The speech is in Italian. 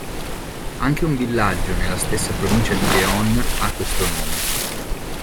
Anche un villaggio, nella stessa provincia di León, ha questo nome.